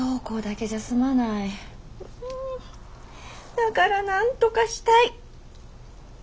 だからなんとかしたい。